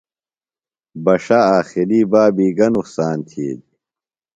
بݜہ عاقلی بابی گہ نقصان تِھیلیۡ؟